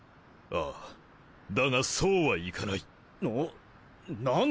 ああだがそうはいかないな！？